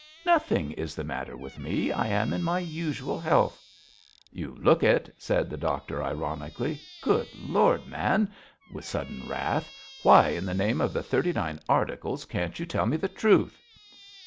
'Nothing is the matter with me. I am in my usual health.' 'You look it,' said the doctor, ironically. 'Good Lord, man!' with sudden wrath, 'why in the name of the Thirty Nine Articles can't you tell me the truth?'